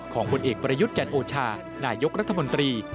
ของบนเอกบริยุทธ์แจนโอชานายกรัฐมนตรี